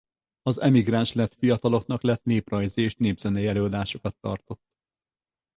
Az emigráns lett fiataloknak lett néprajzi és népzenei előadásokat tartott.